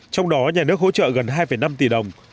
trong đó nhà nước hỗ trợ gần hai năm tỷ đồng